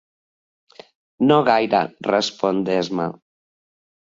No gaire —respon d'esma—.